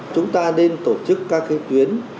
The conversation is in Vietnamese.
chúng ta nên tổ chức các cái tuyến